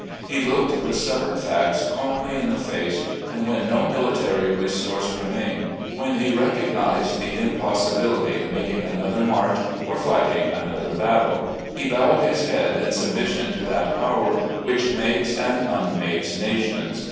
He looked the stubborn facts calmly in the face, and when no military resource re mained, when he recognised the impossibility of making another march or fighting another battle, he bowed his head in submission to that Power which makes and unmakes nations.